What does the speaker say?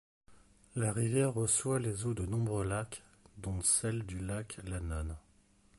La rivière reçoit les eaux de nombreux lacs dont celles du lac la Nonne.